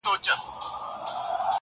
• د کلې خلگ به دي څه ډول احسان ادا کړې.